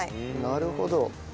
なるほど。